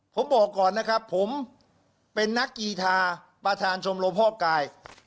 ผมบอกก่อนนะครับผมเป็นนักกีธาประธานชมรมพ่อกาย